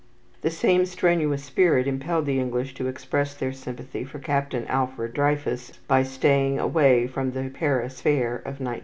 The same strenuous spirit impelled the English to express their sympathy for Captain Alfred Dreyfus by staying away from the Paris fair of 1900.